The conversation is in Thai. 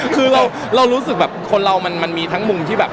คือเรารู้สึกแบบคนเรามันมีทั้งมุมที่แบบ